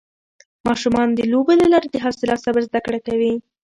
ماشومان د لوبو له لارې د حوصله او صبر زده کړه کوي